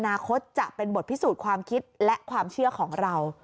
นาคตจะเป็นบทพิสูจน์ความคิดและความเชื่อของเรา